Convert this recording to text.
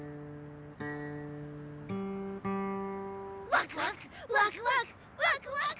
ワクワクワクワクワクワク！